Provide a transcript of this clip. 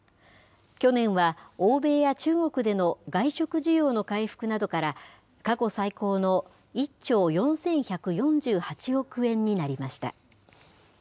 去年は欧米や中国での外食需要の回復などから、過去最高の１兆４１４８億円になりました。